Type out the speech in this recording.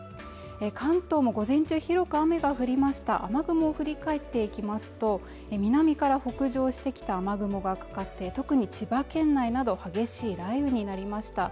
関東も午前中広く雨が降りました雨雲を振り返っていきますと南から北上してきた雨雲がかかって特に千葉県内など激しい雷雨になりました